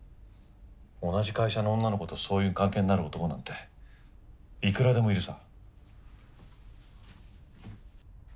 同じ会社の女の子とそういう関係になる男なんていくらでもいるさ。